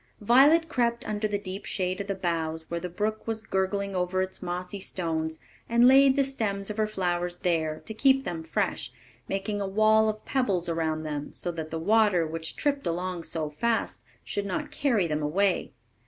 Violet crept under the deep shade of the boughs, where the brook was gurgling over its mossy stones, and laid the stems of her flowers there to keep them fresh, making a wall of pebbles around them, so that the water, which tripped along so fast, should not carry them away.